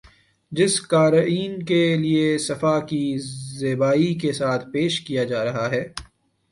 جسے قارئین کے لیے صفحہ کی زیبائی کے ساتھ پیش کیا جارہاہے